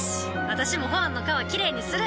私もホアンの川きれいにする！